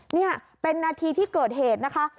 นี่เป็นนาทีที่เกิดเหตุนะคะ